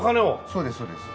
そうですそうです。